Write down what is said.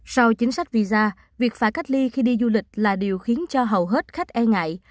sau chính sách visa việc phải cách ly khi đi du lịch là điều khiến cho hầu hết khách e ngại